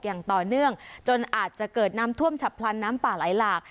อย่างต่อเนื่องจนอาจจะเกิดน้ำท่วมฉับพลันน้ำป่าไหลหลาก